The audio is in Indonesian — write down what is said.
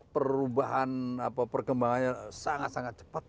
perubahan perkembangannya sangat sangat cepat